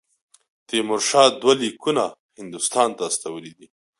تیمورشاه دوه لیکونه هندوستان ته استولي دي.